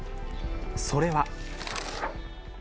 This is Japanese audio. それは。